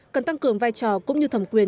cần tăng cường vai trò cũng như thẩm quyền